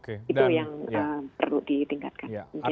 itu yang perlu ditingkatkan